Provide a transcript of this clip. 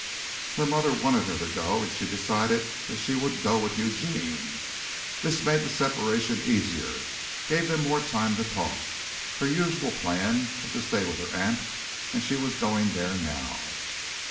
Her mother wanted her to go and she decided that she would go with Eugene. This made the separation easier, gave them more time to talk. Her usual plan was to stay with her aunt and she was going there now.